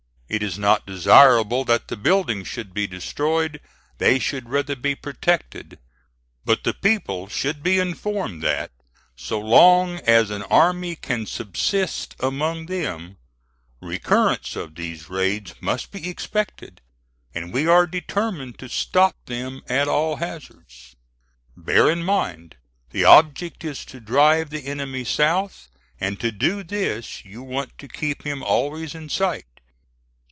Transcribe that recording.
It is not desirable that the buildings should be destroyed they should rather be protected; but the people should be informed that, so long as an army can subsist among them, recurrence of theses raids must be expected, and we are determined to stop them at all hazards. "Bear in mind, the object is to drive the enemy south; and to do this you want to keep him always in sight.